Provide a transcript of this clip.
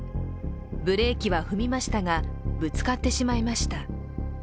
ブレーキは踏みましたが、ぶつかってしまいました。